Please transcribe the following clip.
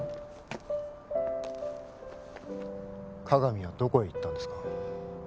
加々見はどこへ行ったんですか？